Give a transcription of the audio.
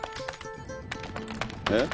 えっ。